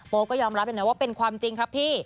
โป๊ปก็ยอมรับอย่างนั้นว่าเป็นความจริงครับพี่